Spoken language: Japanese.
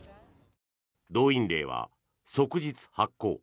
動員令は即日発効。